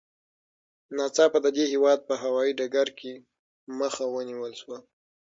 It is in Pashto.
ناڅاپه د دې هېواد په هوايي ډګر کې مخه ونیول شوه.